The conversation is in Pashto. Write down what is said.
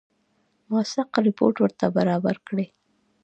موثق رپوټ ورته برابر کړي.